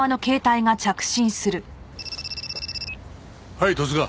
はい十津川。